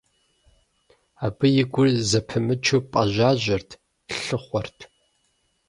Абы и гур зэпымычу пӏэжьажьэрт, лъыхъуэрт.